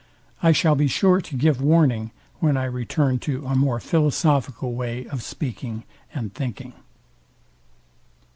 I shall be sure to give warning, when I return to a more philosophical way of speaking and thinking.